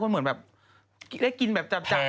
มันเหมือนแบบได้กินแบบจัด